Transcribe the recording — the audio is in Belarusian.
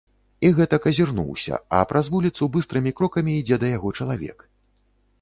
І гэтак азірнуўся, а праз вуліцу быстрымі крокамі ідзе да яго чалавек.